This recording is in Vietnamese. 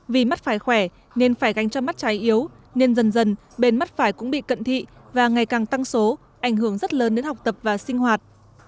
vì mắt phải khỏe nên phải ganh cho mắt trái yếu nên dần dần bên mắt phải cũng bị cận thị và ngày càng tăng số ảnh hưởng rất lớn đến học tập và sinh hoạt